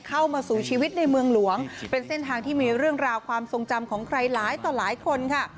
เข้ามาสู่ชีวิตในเมืองหลวงเป็นเส้นทางที่มีเรื่องราวความทรงจำของใครหลายต่อหลายคนค่ะ